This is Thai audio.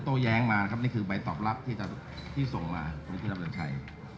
โต๊ะแย้งมานะครับนี่คือใบตอบลับที่ส่งมาที่รับจักรชัย